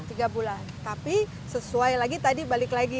tiga bulan tapi sesuai lagi tadi balik lagi